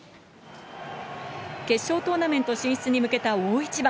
決勝トーナメント進出に向けた大一番。